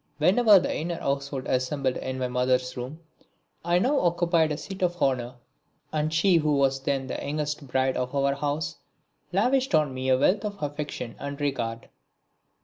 Whenever the inner household assembled in my mother's room I now occupied a seat of honour. And she who was then the youngest bride of our house lavished on me a wealth of affection and regard.